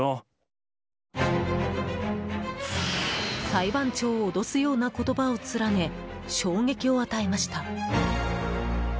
裁判長を脅すような言葉をつらね、衝撃を与えました。